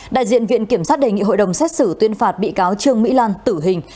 đại diện viện kiểm sát đề nghị hội đồng xét xử tuyên phạt bị cáo trương mỹ lan tử hình